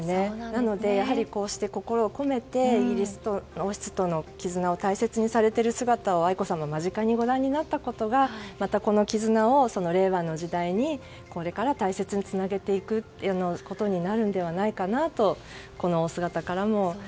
なので、やはりこうして心を込めてイギリス王室との絆を大切にされている姿を愛子さまが間近にご覧になったことがまたこの絆を令和の時代にこれから大切につなげていくことになるのではないかなとこのお姿からも。